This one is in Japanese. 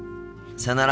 さよなら。